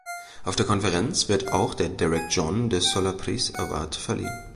Auf der Konferenz wird auch der Derek John de Solla Price Award verliehen.